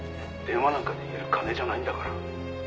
「電話なんかで言える金じゃないんだから」